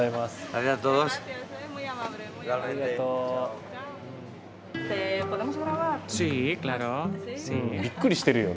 ありがとう。びっくりしてるよ